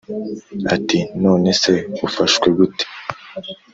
ati"nonese ufashwe gute?"